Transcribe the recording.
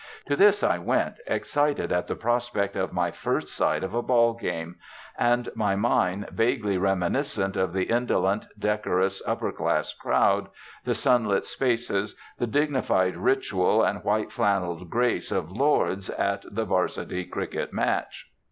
To this I went, excited at the prospect of my first sight of a 'ball game,' and my mind vaguely reminiscent of the indolent, decorous, upper class crowd, the sunlit spaces, the dignified ritual, and white flannelled grace of Lord's at the 'Varsity cricket match.